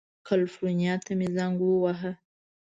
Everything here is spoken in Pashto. کلیفورنیا ته مې زنګ ووهه.